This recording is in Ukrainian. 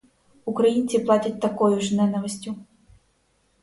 Українці платять такою ж ненавистю».